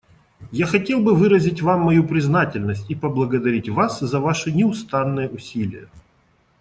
Я хотел бы выразить Вам мою признательность и поблагодарить Вас за Ваши неустанные усилия.